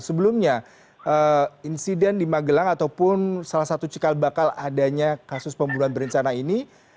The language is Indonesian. sebelumnya insiden di magelang ataupun salah satu cikal bakal adanya kasus pembunuhan berencana ini